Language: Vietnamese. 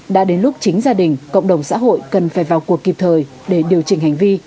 đã đến lúc chính gia đình cộng đồng xã hội cần phải vào cuộc kịp thời để điều chỉnh hành vi